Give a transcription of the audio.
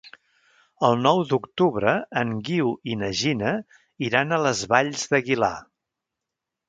El nou d'octubre en Guiu i na Gina iran a les Valls d'Aguilar.